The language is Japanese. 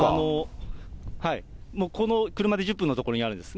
もうこの車で１０分の所にあるんですね。